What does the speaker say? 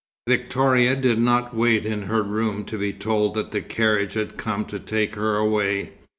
XIX Victoria did not wait in her room to be told that the carriage had come to take her away.